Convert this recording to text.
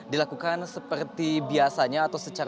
dilakukan seperti biasanya